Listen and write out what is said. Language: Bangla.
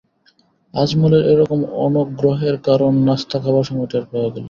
আজমলের এ রকম অনগ্রহের কারণ নাশতা খাবার সময় টের পাওয়া গেল।